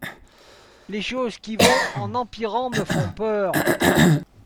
Les choses qui vont en empirant me font peur.